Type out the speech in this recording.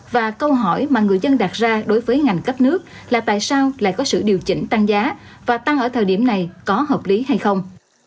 và câu hỏi mà người dân đặt ra đối với ngành cấp nước là tại sao lại có sự điều chỉnh tăng giá và tăng ở thời điểm này có hợp lý hay không